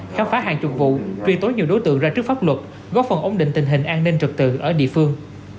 khám phá hàng chục vụ truy tố nhiều đối tượng ra trước pháp luật góp phần ổn định tình hình an ninh trật tự ở địa phương